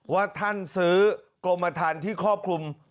ว่าท่านซื้อกรมฐานที่ครอบคลุม